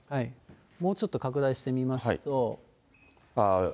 もうちょっと拡大してみますと。